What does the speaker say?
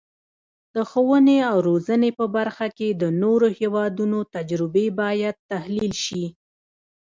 د ښوونې او روزنې په برخه کې د نورو هیوادونو تجربې باید تحلیل شي.